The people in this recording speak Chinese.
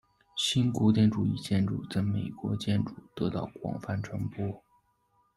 新古典主义建筑在美国建筑得到广泛传播。